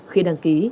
khi đăng ký